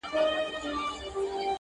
وزیران وه که قاضیان د ده خپلوان وه٫